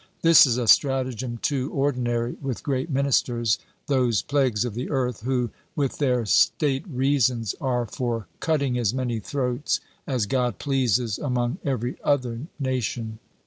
This is a stratagem too ordinary with great ministers, those plagues of the earth, who, with their state reasons, are for cutting as many throats as God pleases among every other nation.